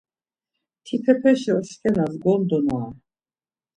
Tipepeşi oşkenas gondunare.